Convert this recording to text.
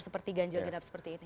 seperti ganjil genap seperti ini